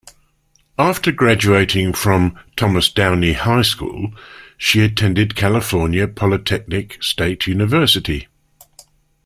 After graduating from Thomas Downey High School, she attended California Polytechnic State University.